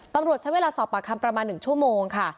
ตำรวจใช้เวลาสอบปากคำประมาณ๑ชั่วโมงค่ะ